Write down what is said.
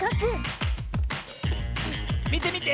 みてみて！